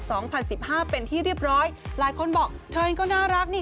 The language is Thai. สองพันสิบห้าเป็นที่เรียบร้อยหลายคนบอกเธอเองก็น่ารักนี่